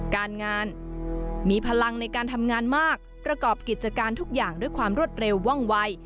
การงานมีพลังในการทำงานมากประกอบกิจการทุกอย่างด้วยความรวดเร็วว่องวัย